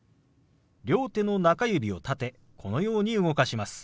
両手の中指を立てこのように動かします。